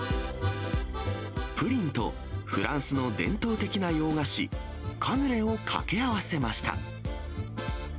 プリンと、フランスの伝統的な洋菓子、カヌレをかけ合わせました。